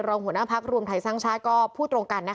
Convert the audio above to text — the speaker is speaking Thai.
หัวหน้าพักรวมไทยสร้างชาติก็พูดตรงกัน